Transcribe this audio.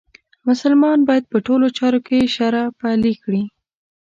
مسلمان باید په ټولو چارو کې شرعه پلې کړي.